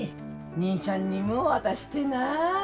兄ちゃんにも渡してな。